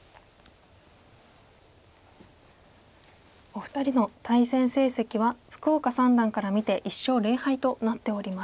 お二人の対戦成績は福岡三段から見て１勝０敗となっております。